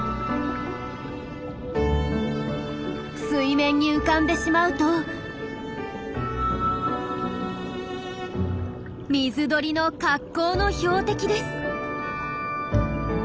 水面に浮かんでしまうと水鳥の格好の標的です。